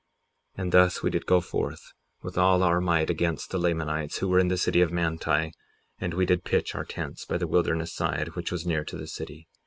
58:13 And thus we did go forth with all our might against the Lamanites, who were in the city of Manti; and we did pitch our tents by the wilderness side, which was near to the city.